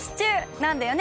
なんだよね？